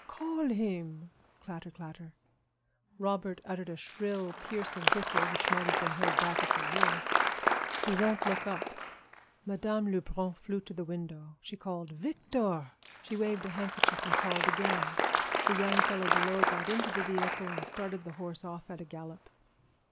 "Call him." Clatter, clatter! Robert uttered a shrill, piercing whistle which might have been heard back at the wharf. "He won't look up." Madame Lebrun flew to the window. She called "Victor!" She waved a handkerchief and called again. The young fellow below got into the vehicle and started the horse off at a gallop.